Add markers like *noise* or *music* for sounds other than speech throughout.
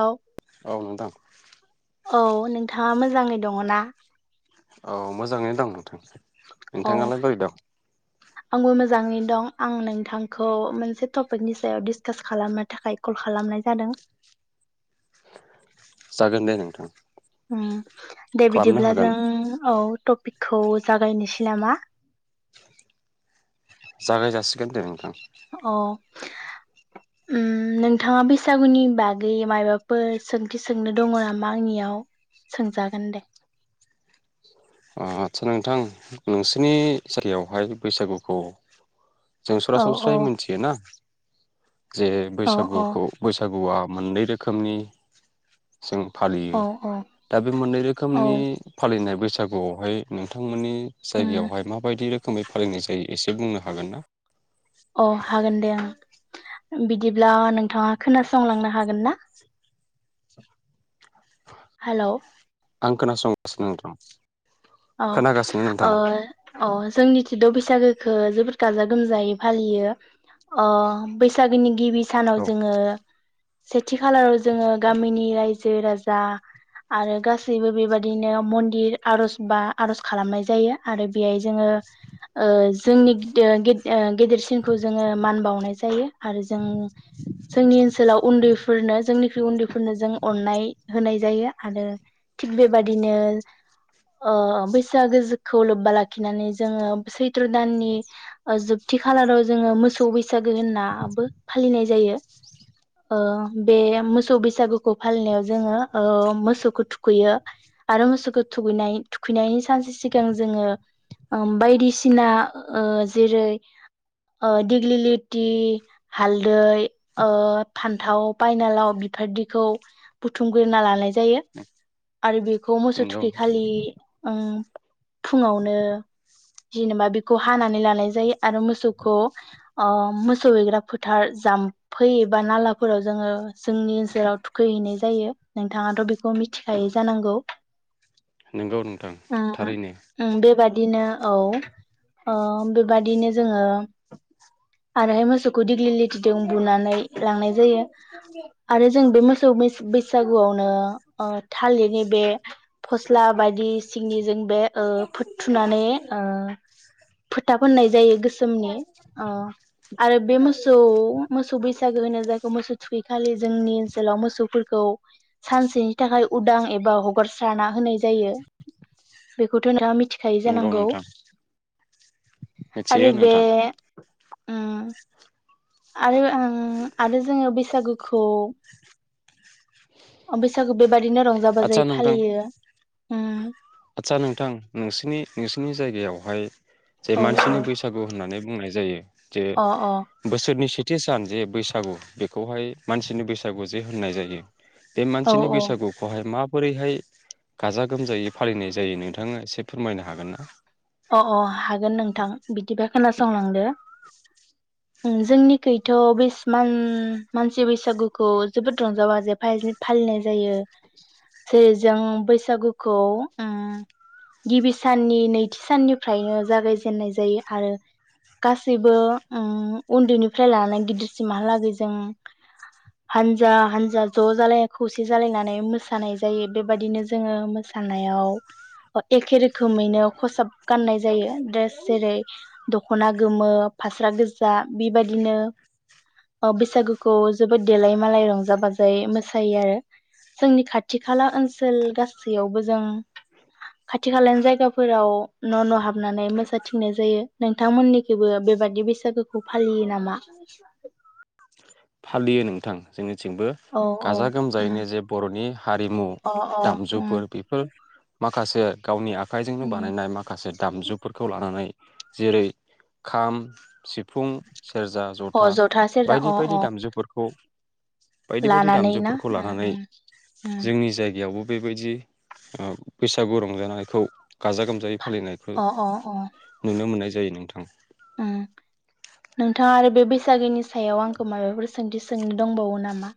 औ। औ नोंथां। औ नोंथाङा मोजाङै दङना? औ मोजाङैनो दं नोंथां। औ नोंथाङालाय बोरै दं। आंबो मोजाङै दं आं नोंथांखौ मोनसे टपिकनि सायाव डिसकास खालामनो थाखाय कल खालामनाय जादों। जागोन दे नोंथां। उम। दे खालामनो बिदिब्ला हागोन जों औ बेखौ जागायनोसै नामा। जागाय जासिगोन दे नोंथां। अ उम नोंथाङा बैसागुनि बागै माबाफोर सोंथि सोंनो दङ नामा आंनियाव सोंजागोन दे। आतसा नोंथां नोंसोरनि सारियावहाय बैसागुखौ जों औ औ सरासनस्रायै मोनथियोना जे औ औ बैसागुखौ बैसागुआ मोननै रोखोमनि जों औ फालियो औ दा बे मोननै औ रोखोमनि फालिनाय बैसागुआवहाय नोंथांमोननि जायगायावहाय माबायदि रोखोमै फालिनाय जायो। एसे बुंनो हागोन ना अ हागोन दे आं बिदिब्ला नोंथाङा खोनासंलांनो हागोनना? हेलौ आं खोनासंगासिनो नोंथां। अ खोनागासिनो अ। नोंथां अ जोंनिथिद' बैसागोखौ जोबोद गाजा गोमजायै फालियो अ बैसागोनि गिबि औ सानाव जोङो सेथि खालाराव जोङो गामिनि रायजो राजा आरो गासैबो बेबादिनो मन्दिर आर'ज बा आर'ज खालामनाय जायो आरो बेहाय जोङो ओ जोंनि गेदे ओ गेदेरसिनखौ जोङो मान बावनाय जायो आरो जों जोंनि ओनसोलाव उन्दैफोरनो जोंनि उन्दैफोरनो जों अननाय होनाय जायो आरो थिग बेबादिनो ओ बैसागोखौ लोब्बा लाखिनानै जोङो सैथ्र दाननि जोबथि खालाराव जोङो मोसौ बैसागो होननाबो फालिनाय जायो ओ बे मोसौ बैसागुखौ फालिनायाव जोङो ओ मोसौखौ थुखैयो आरो मोसौखौ थुखैनायनि सानसे सिगां जोङो ओ बायदिसिना ओ जेरै ओ दिग्लिलिथि, हालदै ओ फान्थाव बायनालाव बिफोरदखौ बुथुमग्रोना लानाय जायो। आरो बेखौ मोसौ थु नंगौ खैखालि ओम फुङावनो जेनेबा बेखौ हानानै लानाय जायो आरो मोसौखौ ओ मोसौ हैग्रा फोथार जाम्फै एबा नालाफोराव जोङो जोंनि ओनसोलाव थुखैहैनाय जायो। नोंथाङाथ' बेखौ मिथिखायै जानांगौ? नोंगौ नोंथां थारैनो दिनो औ ओ बेबादिनो जोङो आरो मोसौखौ दिग्लि लेथिजों बुनानै लांनाय जायो आरो जों बे मोसौ मोस बैसागुआवनो ओ थालिरनि बे फस्ला बायदि सिंनिजों बे ओ फोथ थुनानै ओ फोथा फोननाय जायो गोसोमनि ओ आरो बे मोसौ मोसौ बैसागो होनो जायखौ मोसौ थुखैखालि जोंनि ओनसोलाव मोसौफोरखौ सानसेनि थाखाय उदां एबा हगार सारना होनाय जायो बेखौथ' नोंथाङा मि थि खायो नंगौ जानांगौ? नोंथां मिथियो आरो बे नोंथां उम आरो आं आरो जों बैसागुखौ बैसागु बेब बादिनो रंजा आदसा बाजायै नोंथां फालियो। उम आदसा नोंथां नोंसिनि नोंसिनि जायगायावहाय जे अ मानसिनि बैसागु होननानै बुंनाय जायो। जे अ बोसोरनि से थि सान जे बैसागु बेखौहाय मानसिनि बैसागु जे होननाय जायो। बे औ मानसिनि औ बैसागुखौहाय मा बोरैहाय गाजा गोमजायै फालिनाय जायो नोंथाङा एसे फोरमायनो हागोन ना? अ अ हागोन नोंथां बिदिबा खोनासंलांदो जोंनिखैथन बेसिमान मानसि बैसागुखौ जोबोद रंजा बाजे फाज फालिनाय जायो जेरै जे जों बैसागुखौ उम गिबि साननि नै थि साननिफ्रायनो जागायजेननाय जायो आरो गासैबो उम उन्दैनिफ्राय लानानै गिदिरसिमहालागै जों हानजा हानजा ज' जालायाख खौसे जालायनानै मोसानाय जायो बेबादिनो जोङो मोसानायाव ओ एखे रोखोमैनो खसाब गाननाय जायो द्रेस जेरै दख'ना गोमो फास्रा गोजा बिबायादिनो ओ बैसागुखौ जोबोद देलाय मालाय रंजा बाजायै मोसायो आरो। जोंनि खाथि खाला ओनसोल गासैयावबो जों खाथि खालानि जायगा फोराव न' न' हाबनानै मोसाथिंनाय जायो। नोंथांमोननिखौबो बेबादि बैसागोखौ फालियो नामा? फालियो नोंथां जोंनि थिंबो औ औ गाजा गोमजायैनो उम जे बर'नि हारिमु अ अ उम दामजुफोर बेफोर माखासे गावनि आ खाइजोंनो उम बानायनाय माखासे दामजुफोरखौ लानानै जेरै खाम, सिफुं अ जथा सेरजा बायदि अ बायदि अ दामजुफोरखौ बायदि बायदि लानानै ना दामजुफोरखौ उम लानानै उम उम जोंनि जायगायावबो बेबायदि ओ बैसागु रंजानायखौ गाजा गोमजायै फालिनायखो अ अ अ नुनो मोननाय जा जायो नोंथां। उम नोंथाङा आरो बे बैसागोनि सायाव आंखो माबाफोर सोंथि सोंनो दंबावो नामा?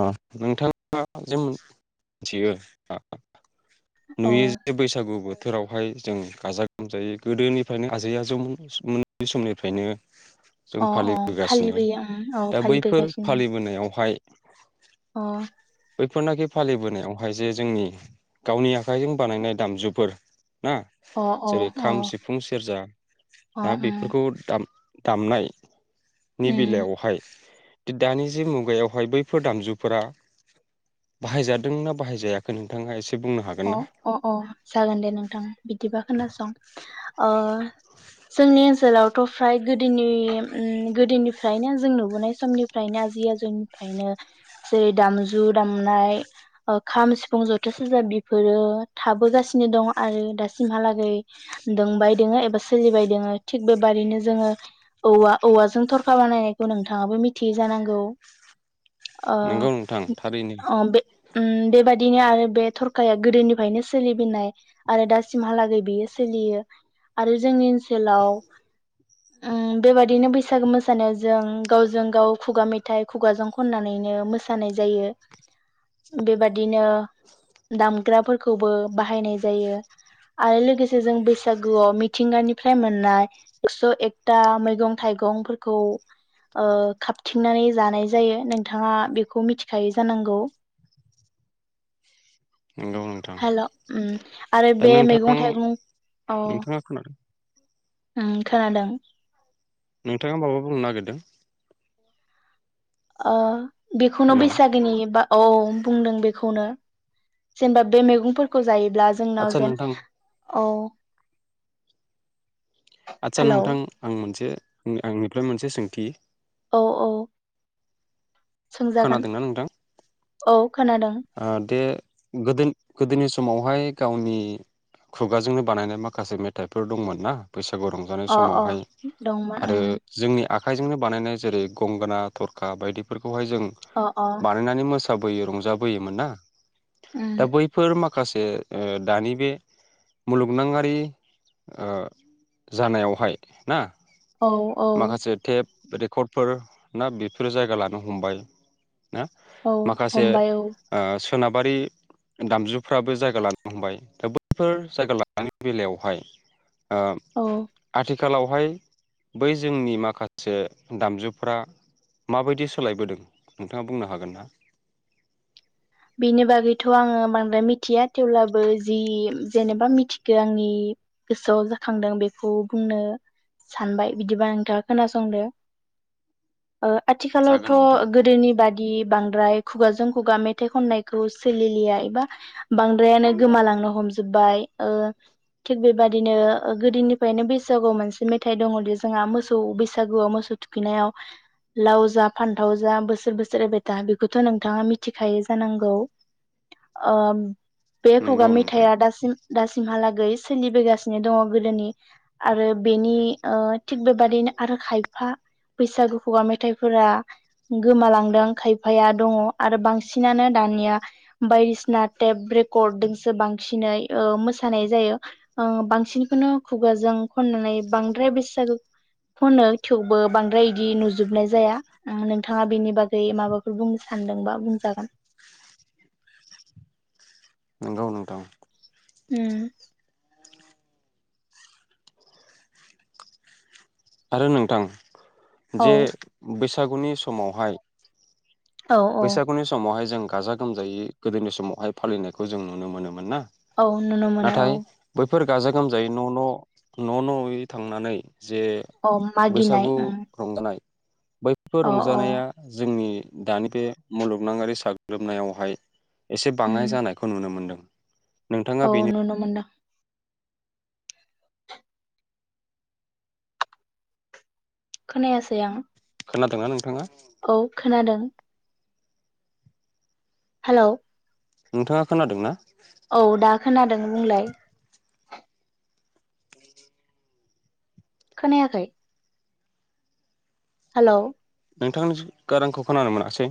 अ नोंथाङा जे मिथियो औ नुयो जे बैसागु बो थोरावहाय जों गाजा गोमजायै गोदोनिफ्रायनो आजै आजौ मोननि *unintelligible* समनिफ्रायनो जों अ अ फालिबोगासिनो फालिबोयो उम औ दा बैफोर फालिबोगासिनो। फालिबोनायावहाय अ बैफोरनाखि फालिबोनायावहाय जे जोंनि गावनि आखाइजों बानायनाय दामजुफोर ना अ जेरै अ खाम, सिफुं, सेरजा ना अ बेफोरखौ दाम दामनाय नि उम बेलायावहाय दि दानि जे मुगायाव हाय बैफोर दामजुफोरा बाहायजादोंना बाहायजायाखै नोंथाङा एसे बुंनो हागोन अ ना अ अ जागोन दे नोंथां बिदिबा खोनासं ओ जोंनि ओनसोलावथ' फ्राय गोदोनि उम गोदोनिफ्रायनो जों नुबोनाय समनिफ्रायनो आजि आजौनिफ्रायनो जेरै दामजु दामनाय ओ खाम, सिफुं, जथा सेरजा बि फोरो थाबोगासिनो दं आरो दासिमहालागै दोंबाय दोङो एबा सोलिबाय दोङो थिग बेबादिनो जोङो औवा औवाजों थरखा बानायनायखौ नोंथाङाबो मिथियो जानांगौ। ओ नोंगौ नोंथां थारैनो अ बे उम बेबायदिनो आरो बे थर खाया गोदोनिफ्रायनो सोलिबोनाय आरो दासिमहालागै बेयो सोलियो आरो जोंनि ओनसोलाव उम बेबादिनो बैसागो मोसानाय जों गावजों गाव खुगा मेथाइ खुगाजों खननानैनो मोसानाय जायो बेबादिनो दामग्राफोरखौबो बाहायनाय जायो आरो लोगोसे जों बैसागुआव मिथिंगानिफ्राय मोननाय एक्स' एकथा मैगं थाइगंफोरखौ ओ खाबथिंनानै जानाय जायो नोंथाङा बेखौ मिथिखायो जानांगौ। नोंगौ नोंथां हेल' उम आरो दा बे मैगं नोंथां थाइगं अ नोंथाङा खोनादों उम खोनादों। नोंथाङा माबा बुंनो नागिरदों? ओ बेखौनो हेलौ बैसागोनि बा औ बुंदों बे खौनो जेनेबा बे मैगंफोरखौ जायोब ब्ला आदसा जोंनाव जेन नोंथां औ आदसा हेलौ नोंथां आं मोनसे उम आंनिफ्राय मोनसे सोंथि औ औ सोंजागोन खोनादोंना नोंथां? औ खोनादों ओ दे गोदोनि गोदोनि स समावहाय गावनि खुगाजोंनो बानायनाय माखासे मेथाइफोर दंमोन ना बैसा सागु रंजानाय अ अ समावहाय दंमोन आरो उम जोंनि आखाइजोंनो बानायनाय जेरै गंगोना, थरखा बायदिफोर खौहाय जों अ अ बानायनानै मोस साबैयो रंजाब बोयोमोन ना? दा उम बैफोर माख माखासे ओ दानि बे मुलुगनाङारि ओ जानायावहाय ना। औ औ। माखासे टेप रेकर्डफोर ना बेफोरो जायगा लानो हमबाय। ना औ माखासे। हमबाय औ आ सोनाबारि दामजुफ्राबो जायगा लानो हमबाय दा बैफोर जायगा लानायनि बेलायावहाय। ओ औ आथि खालावहाय बै जोंनि माखासे दामजुफ्रा माबायदि सोलायबोदों नोंथाङा बुंनो हागोन ना? बिनि बागैथ' आङो बांद्राय मिथिया। थेवब्लाबो जि जेनेबा मिथिखो आंनि गोसोआव जाखांदों बेखौ बुंनो सानबाय बिदिबा नोंथाङा खोनासंदो। ओ आथिखालावथ' जागोन नोंथां गोदोनि बाद इ बांद्राय खुगाजों खुगा मेथ थाइ खननायखौ सोलिलिया एबा बांद्रायानो गोमालांनो हमजोबबाय ओ थिग बेबादिनो गोदोनिफ्रायनो बैसागुआव मोनसे मेथाइ दङदि जोंहा मोसौ बैसागुआव मोसौ थुखैनायाव लाव जा फान्थाव जा बोसोर बोसोर एबायथा बेखौथ' नोंथाङा मिथि खायो जानांगौ ओ बे खुगा नंगौ नोंथां मेथाइआ दासिम दासिमहालागै सोलिबोगासिनो दङ गोदोनि आरो बेनि ओ थिग बेबादिनो आरो खायफा बैसागु खुगा मेथाइफोरा गोमालांदों खायफाया दङ आरो बां सिनानो दानिया बायदिसिना टेप रेकर्डजोंसो बांसिनै ओ मोसानाय जायो बांसिनखौनो खुगाजों खननानै बांद्राय बैसागो खनो थेवबो बांद्राय इदि नुजोबनाय जाया ओ नोंथाङा बेनि बागै माबाफोर बुंनो सानदोंबा बुंज जागोन। नंगौ नोंथां। उम। आरो नोंथां औ जे बैसा सागुनि समावहाय औ औ बैसागुनि समावहाय जों गाजा गोमजायै गोदोनि समावहाय फालिनायखौ जों नुनो मोनोमोन ना? औ नुनो मोनो औ। बेफोर गाजा गोमजायै न' न' न' न'यै थांनानै। जे औ मागिनाय बैसागु उम रंजानाय। बैफोर अ अ रंजानाया जोंनि। दानि। बे मुलुगनांङारि साग्लोबनायावहाय। एसे उम बाङाय जानायखौ नुनो मोन्दों। औ नुनो मोनदों। खोनायासै आं खोनादोंना नोंथाङा औ खोनादों हेल' नोंथाङा खोनादों ना औ दा खोनादों बुंलाय खोनायाखै हेल' नोंथांनि गारांखौ खोनानो मोनासै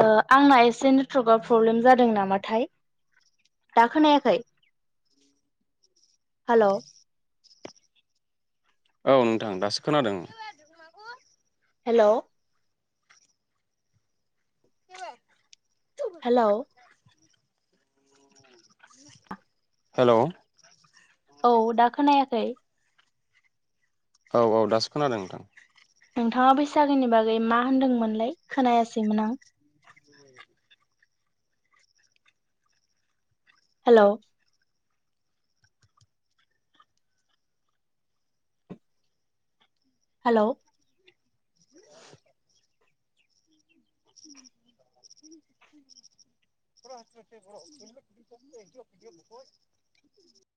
ओ आंना एसे नेटवर्कआव प्रब्लेम जादों नामाथाय दा खोनायाखै हेलौ, औ नोंथां दासो खोनादों हेलौ, हेलौ, हेलौ, औ दा खोनायाखै औ औ दासो खोनादों नोंथां नोंथाङा बैसागोनि बागै मा होनदोंमोनलाय खोनायासैमोन आं हेलौ, हेलौ, *inaudible*